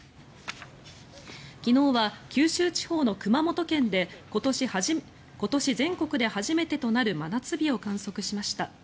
昨日は九州地方の熊本県で今年全国で初めてとなる真夏日を観測しました。